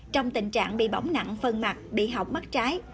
trong tình trạng bị bỏng nặng phân mặt bị hỏng mắt trái